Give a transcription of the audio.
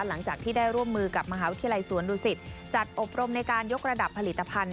หลังจากที่ได้ร่วมมือกับมหาวิทยาลัยสวนดุสิตจัดอบรมในการยกระดับผลิตภัณฑ